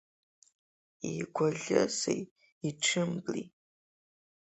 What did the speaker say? Иигәаӷьызеи, иҽимбли!